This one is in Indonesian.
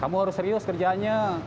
kamu harus serius kerjaannya